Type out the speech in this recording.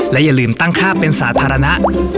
และอย่าลืมตั้งค่าเป็นสาธารณะ